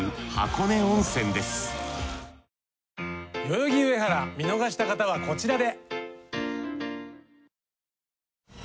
代々木上原見逃した方はこちらで。